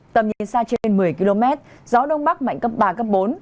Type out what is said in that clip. tầm nhìn xa trên một mươi km gió đông bắc mạnh cấp ba cấp bốn